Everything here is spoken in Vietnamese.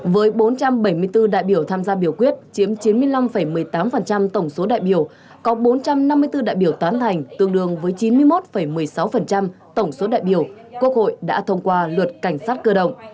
với bốn trăm bảy mươi bốn đại biểu tham gia biểu quyết chiếm chín mươi năm một mươi tám tổng số đại biểu có bốn trăm năm mươi bốn đại biểu tán thành tương đương với chín mươi một một mươi sáu tổng số đại biểu quốc hội đã thông qua luật cảnh sát cơ động